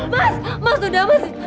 mas mas udah mas